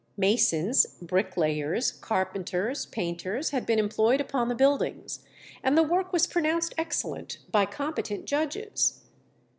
Masons, bricklayers, carpenters, painters had been employed upon the buildings, and the work was pronounced excellent by competent judges.